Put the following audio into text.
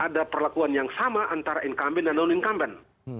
ada perlakuan yang sama antara income bank dan non income bank